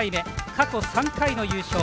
過去３回の優勝。